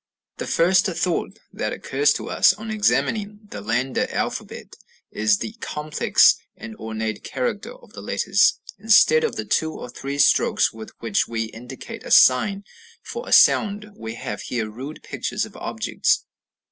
The first thought that occurs to us on examining the Landa alphabet is the complex and ornate character of the letters. Instead of the two or three strokes with which we indicate a sign for a sound, we have here rude pictures of objects.